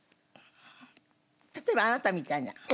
例えばあなたみたいな。